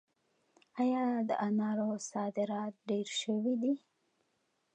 آیا د انارو صادرات ډیر شوي دي؟